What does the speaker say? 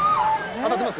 当たってます？